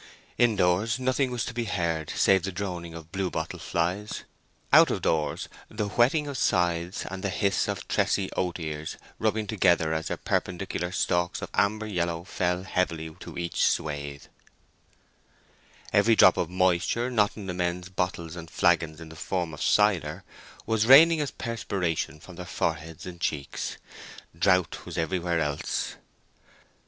Indoors nothing was to be heard save the droning of blue bottle flies; out of doors the whetting of scythes and the hiss of tressy oat ears rubbing together as their perpendicular stalks of amber yellow fell heavily to each swath. Every drop of moisture not in the men's bottles and flagons in the form of cider was raining as perspiration from their foreheads and cheeks. Drought was everywhere else.